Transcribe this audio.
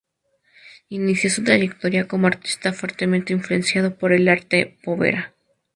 Inició su trayectoria como artista fuertemente influenciado por el arte povera.